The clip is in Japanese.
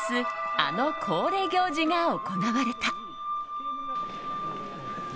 あの恒例行事が行われた。